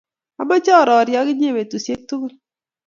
Amuchi arori ak inye petusiek tugul